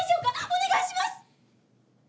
お願いします！